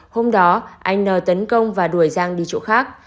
hôm đó anh n tấn công và đuổi giang đi chỗ khác